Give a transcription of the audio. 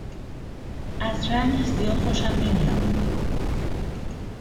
از رنگش زیاد خوشم نمیاد